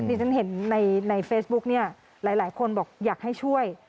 ที่ฉันเห็นในเฟซบุ๊กเนี่ยหลายคนบอกอยากให้ช่วย